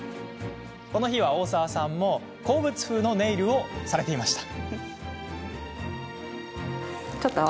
この日は大澤さんも鉱物風のネイルをしてきました。